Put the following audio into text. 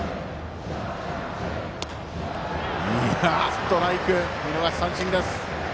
ストライク、見逃し三振。